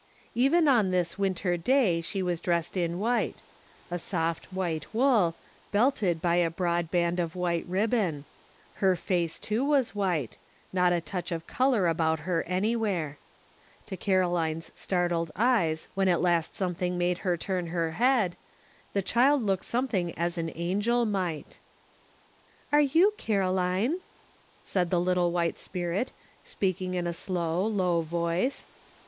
Even on this winter day she was dressed in white — a soft white wool, belted by a broad band of white ribbon ; her face, too, was white, not a touch of color about her anywhere; to Caroline's startled eyes when at last something made her turn her head, the child looked something as an angel might. "SO roU WANT TO CO HOMEf" 173 " Are you Caroline ?" asked the little white spirit, speaking in a slow, low voice.